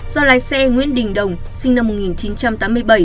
do lái xe nguyễn đình đồng sinh năm một nghìn chín trăm tám mươi bảy